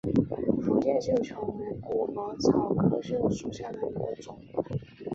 福建绣球为虎耳草科绣球属下的一个种。